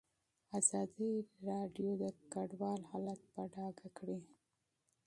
ازادي راډیو د کډوال حالت په ډاګه کړی.